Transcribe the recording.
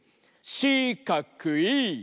しかくい！